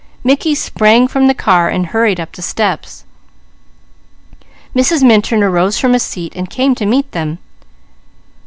Mickey sprang from the car and hurried up the steps. Mrs. Minturn arose from a seat and came to meet him.